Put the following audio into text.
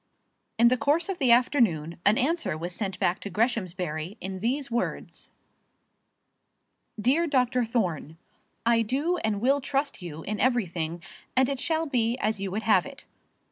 In the course of the afternoon, an answer was sent back to Greshamsbury, in these words: DEAR DR. THORNE, I do and will trust you in everything; and it shall be as you would have it.